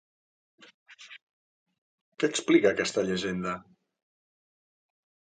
Què explica, aquesta llegenda?